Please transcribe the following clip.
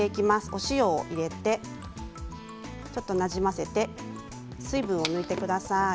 お塩を入れてなじませて水分を抜いてください。